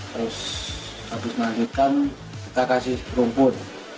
terus habis melanjutkan kita kasih rumput